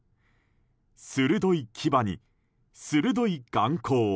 鋭い牙に、鋭い眼光。